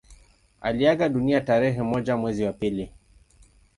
Aliaga dunia tarehe moja mwezi wa pili